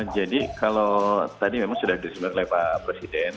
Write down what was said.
jadi kalau tadi memang sudah diresmikan oleh pak presiden